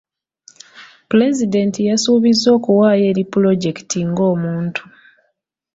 Pulezidenti yasuubizza okuwaayo eri pulojekiti ng'omuntu.